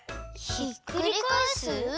ひっくりかえす？